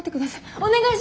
お願いします！